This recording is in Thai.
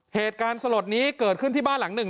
เหตุการณ์สลดนี้เกิดขึ้นที่บ้านหลังหนึ่ง